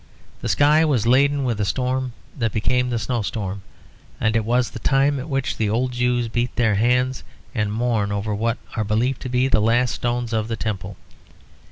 The sky was laden with a storm that became the snowstorm; and it was the time at which the old Jews beat their hands and mourn over what are believed to be the last stones of the Temple.